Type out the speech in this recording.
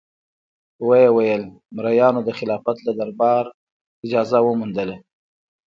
ویې ویل: مریانو د خلافت له دربار اجازه وموندله.